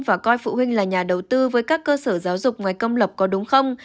và coi phụ huynh là nhà đầu tư với các cơ sở giáo dục ngoài công lập có đúng không